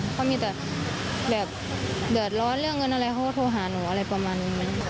เขามีแต่แบบเดือดร้อนเรื่องเงินอะไรเขาก็โทรหาหนูอะไรประมาณนี้